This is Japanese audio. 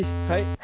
はい。